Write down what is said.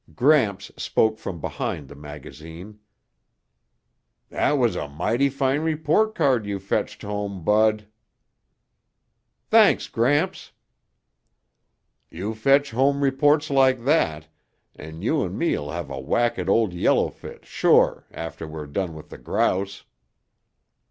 Gramps spoke from behind the magazine, "That was a mighty fine report card you fetched home, Bud." "Thanks, Gramps." "You fetch home reports like that, and you'n me will have a whack at Old Yellowfoot sure after we're done with the grouse."